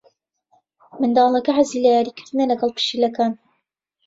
منداڵەکە حەزی لە یاریکردنە لەگەڵ پشیلەکان.